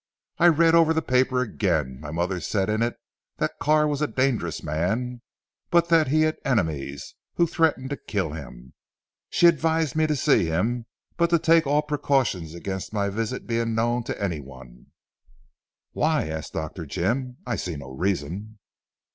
I read over the paper again. My mother said in it that Carr was a dangerous man, but that he had enemies, who threatened to kill him. She advised me to see him, but to take all precautions against my visit being known to anyone. "Why?" asked Dr. Jim, "I see no reason."